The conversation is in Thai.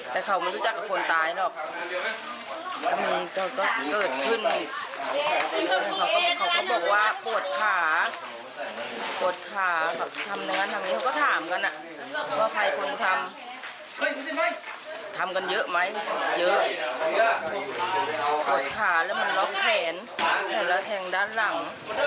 แล้วมันล๊อคแขนแล้วเผลอแทงด้านหลัง